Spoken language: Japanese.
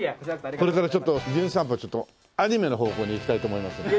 これからちょっと『じゅん散歩』アニメの方向にいきたいと思いますので。